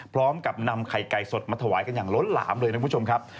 พร้อมกับนำไข่ไก่สดมาถวายกันอย่างล้นหลามเลยนะคุณผู้ชมครับ